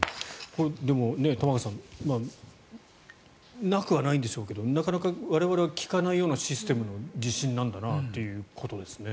でも、玉川さんなくはないんでしょうけどなかなか我々は聞かないようなシステムの地震なんだなということですね。